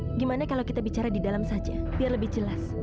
bagaimana kalau kita bicara di dalam saja biar lebih jelas